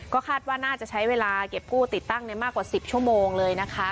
ก็คาดว่าน่าจะใช้เวลาเก็บกู้ติดตั้งในมากกว่า๑๐ชั่วโมงเลยนะคะ